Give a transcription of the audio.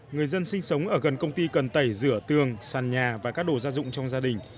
người dân sinh sống ở gần công ty cần tẩy rửa tường sàn nhà và các đồ gia dụng trong gia đình